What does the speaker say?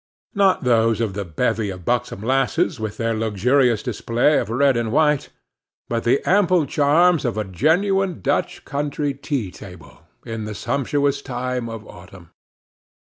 Not those of the bevy of buxom lasses, with their luxurious display of red and white; but the ample charms of a genuine Dutch country tea table, in the sumptuous time of autumn.